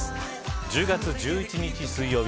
１０月１１日水曜日